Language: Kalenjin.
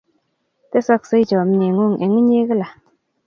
Tesokse chomye ng'ung' eng' inye kila.